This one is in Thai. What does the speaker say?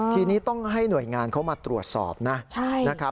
ทีนี้ต้องให้หน่วยงานเขามาตรวจสอบนะ